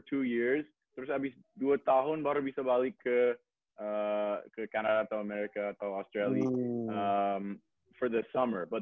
terus abis dua tahun baru bisa balik ke canada atau amerika atau australia untuk musim panas